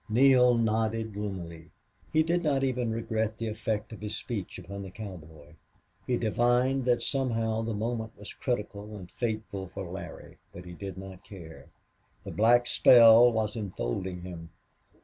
Neale nodded gloomily. He did not even regret the effect of his speech upon the cowboy. He divined that somehow the moment was as critical and fateful for Larry, but he did not care. The black spell was enfolding him.